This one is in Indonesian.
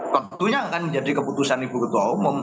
tentunya akan menjadi keputusan ibu ketua umum